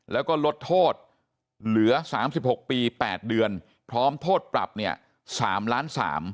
แล้วก็ลดโทษเหลือ๓๖ปี๘เดือนพร้อมโทษปรับเนี่ย๓ล้าน๓